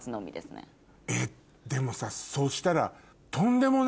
でもさそしたら。